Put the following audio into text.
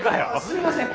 すみません。